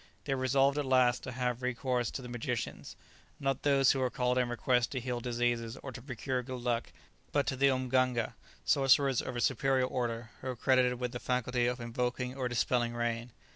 They resolved at last to have recourse to the magicians, not those who are called in request to heal diseases or to procure good luck, but to the mganga, sorcerers of a superior order, who are credited with the faculty of invoking or dispelling rain.